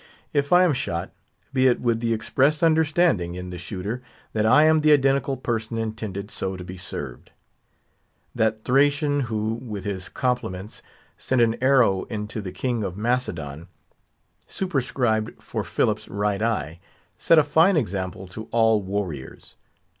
If I am shot, be it with the express understanding in the shooter that I am the identical person intended so to be served. That Thracian who, with his compliments, sent an arrow into the King of Macedon, superscribed "for Philip's right eye," set a fine example to all warriors.